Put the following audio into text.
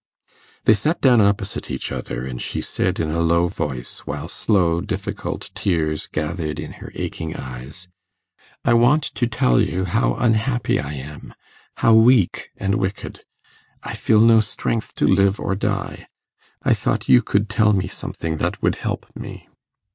They sat down opposite each other, and she said in a low voice, while slow difficult tears gathered in her aching eyes, 'I want to tell you how unhappy I am how weak and wicked. I feel no strength to live or die. I thought you could tell me something that would help me.